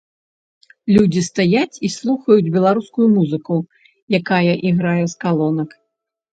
Людзі стаяць і слухаюць беларускую музыку, якая іграе з калонак.